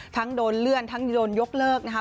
โดนเลื่อนทั้งโดนยกเลิกนะครับ